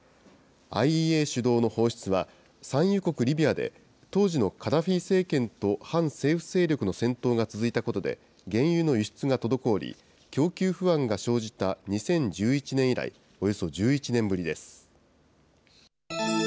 ＩＥＡ主導の放出は、産油国リビアで、当時のカダフィ政権と反政府勢力の戦闘が続いたことで、原油の輸出が滞り、供給不安が生じた２０１１年以来、およそ１１年ぶりです。